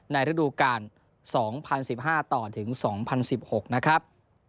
ฤดูกาล๒๐๑๕ต่อถึง๒๐๑๖นะครับ